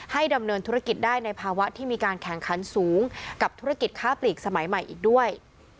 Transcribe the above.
ดำเนินธุรกิจได้ในภาวะที่มีการแข่งขันสูงกับธุรกิจค้าปลีกสมัยใหม่อีกด้วย